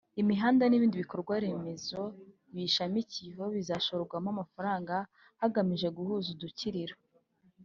imihanda n’ibindi bikorwa remezo biyishamikiyeho bizashorwamo amafaranga hagamijwe guhuza Udukiriro